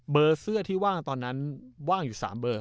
เสื้อที่ว่างตอนนั้นว่างอยู่๓เบอร์